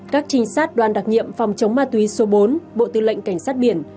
các trinh sát đoàn đặc nhiệm phòng chống ma túy số bốn bộ tư lệnh cảnh sát biển